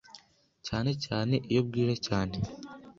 cyane cyane iyo bwije cyane.